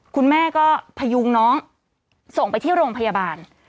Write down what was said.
คุณแม่ก็พยุงน้องส่งไปที่โรงพยาบาล